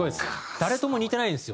誰とも似てないんですよ